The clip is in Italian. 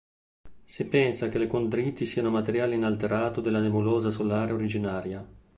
Si pensa che le condriti siano materiale inalterato della nebulosa solare originaria.